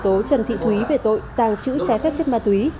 tố trần thị thúy về tội tàng trữ trái phép chất ma túy